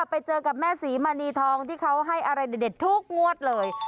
ไปเจอกับแม่ศรีมณีทองที่เขาให้อะไรเด็ดทุกงวดเลย